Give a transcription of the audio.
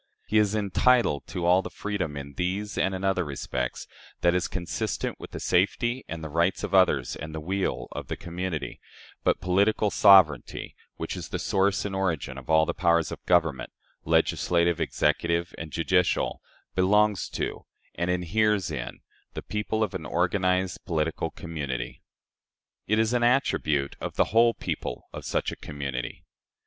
He is entitled to all the freedom, in these and in other respects, that is consistent with the safety and the rights of others and the weal of the community, but political sovereignty, which is the source and origin of all the powers of government legislative, executive, and judicial belongs to, and inheres in, the people of an organized political community. It is an attribute of the whole people of such a community.